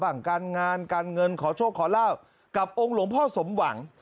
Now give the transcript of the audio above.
การงานการเงินขอโชคขอลาบกับองค์หลวงพ่อสมหวัง